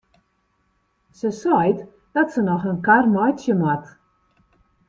Se seit dat se noch in kar meitsje moat.